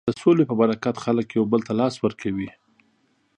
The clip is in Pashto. د سولې په برکت خلک یو بل ته لاس ورکوي.